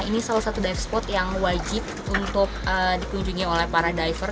ini salah satu dive spot yang wajib untuk dikunjungi oleh para diver